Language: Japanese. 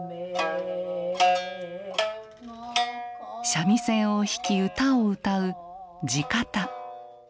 三味線を弾き唄を歌う地方。